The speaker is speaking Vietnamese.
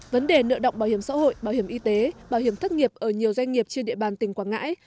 vấn đề nợ động bảo hiểm xã hội bảo hiểm y tế bảo hiểm thất nghiệp ở nhiều doanh nghiệp trên địa bàn tỉnh quảng ngãi